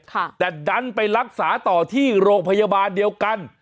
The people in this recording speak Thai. แต่ดันไปรักษาต่อที่โรงพยาบาลเดียวกัน